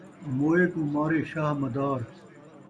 موئے کوں مارے شاہ مدار